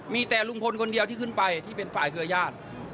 มีแต่ลุงพลคนเดียวที่ขึ้นไปที่เป็นฝ่ายเครือญาติ